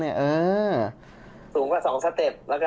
เพราะว่ามีทีมนี้ก็ตีความกันไปเยอะเลยนะครับ